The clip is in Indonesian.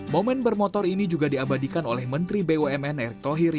momen bermotor ini juga diabadikan oleh menteri bumn erick thohir